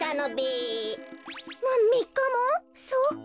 そうか。